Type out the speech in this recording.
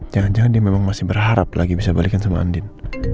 jangan jangan dia memang masih berharap lagi bisa balikin sama andin